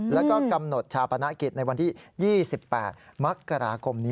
แล้วก็กำหนดชาปนกิจในวันที่๒๘มกราคมนี้